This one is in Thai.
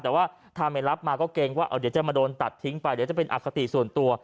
แต่ว่าถ้าไม่รับมาก็เกรงว่าเดี๋ยวจะมาโดนตัดทิ้งไปเดี๋ยวจะเป็นอคติส่วนตัว